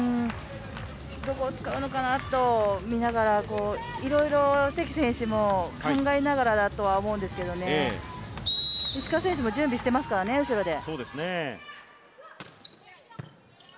どこを使うのかなと見ながらいろいろ関選手も考えながらだと思うんですけど石川選手も準備していますからね、後ろで。